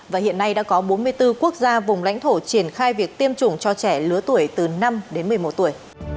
và hiện nay đã có bốn mươi bốn quốc gia vùng lãnh thổ triển khai việc tiêm chủng cho trẻ lứa tuổi từ năm đến một mươi một tuổi